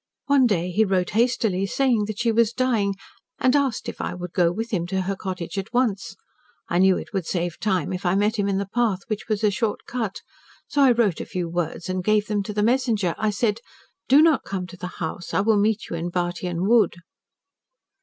One day he wrote hastily, saying that she was dying, and asked if I would go with him to her cottage at once. I knew it would save time if I met him in the path which was a short cut. So I wrote a few words and gave them to the messenger. I said, 'Do not come to the house. I will meet you in Bartyon Wood.'"